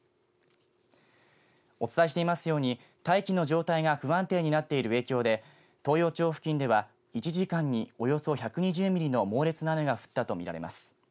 お伝えしていますように大気の状態が不安定になっている影響で東洋町付近では１時間におよそ１２０ミリの猛烈な雨が降ったとみられます。